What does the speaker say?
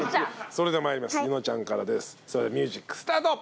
それではまいります柚乃ちゃんからミュージックスタート！